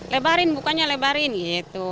lebarin bukanya lebarin gitu